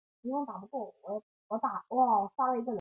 于是单独带着军队渡过黄河。